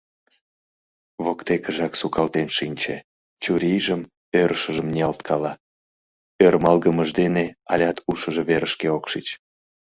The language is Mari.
Воктекыжак сукалтен шинче, чурийжым, ӧрышыжым ниялткала. ӧрмалгымыж дене алят ушыжо верышке ок шич.